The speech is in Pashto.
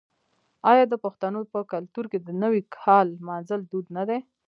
آیا د پښتنو په کلتور کې د نوي کال لمانځل دود نه دی؟